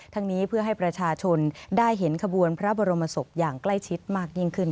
นี้เพื่อให้ประชาชนได้เห็นขบวนพระบรมศพอย่างใกล้ชิดมากยิ่งขึ้น